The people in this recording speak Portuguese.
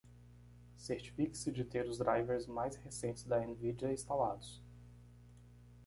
Certifique-se de ter os drivers mais recentes da Nvidia instalados.